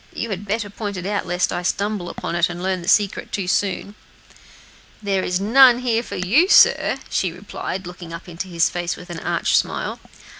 You had better point it out, lest I should stumble upon it and learn the secret too soon." "There is none here for you, sir," she replied, looking up into his face with an arch smile.